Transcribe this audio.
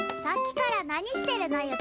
さっきから何してるの？